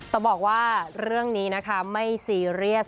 แต่บอกว่าเรื่องนี้นะคะไม่ซีเรียส